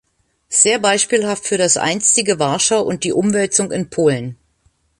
Sehr beispielhaft für das einstige Warschau und die Umwälzung in Polen.